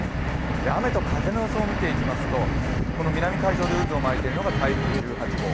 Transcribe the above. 雨と風の予想を見ていきますと南海上で渦を巻いているのが台風１８号。